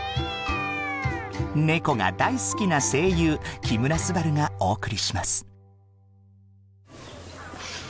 ネコが大好きな声優木村昴がお送りします。